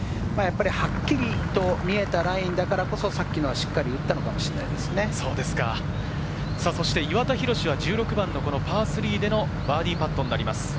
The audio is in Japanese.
はっきりと見えたラインだからこそ、さっきのはしっかり打ったの岩田寛は１６番のパー３でのバーディーパットです。